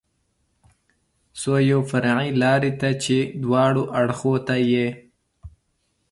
څو یوې فرعي لارې ته چې دواړو اړخو ته یې.